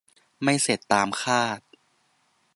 ไม่เสร็จตามคาด